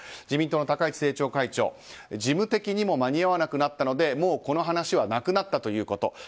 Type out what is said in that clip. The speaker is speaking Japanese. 自民党の高市政調会長事務的にも間に合わなくなったのでこの話はなくなったとのこと。